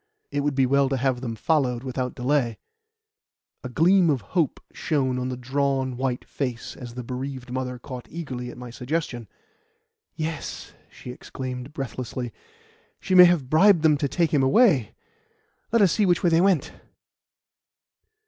"It would be well to have them followed without delay." A gleam of hope shone on the drawn, white face as the bereaved mother caught eagerly at my suggestion. "Yes," she exclaimed breathlessly; "she may have bribed them to take him away. Let us see which way they went."